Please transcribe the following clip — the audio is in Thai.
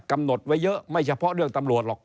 กำหนดไว้เยอะไม่เฉพาะเรื่องตำรวจหรอก